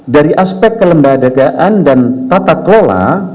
dari aspek kelembagaan dan tata kelola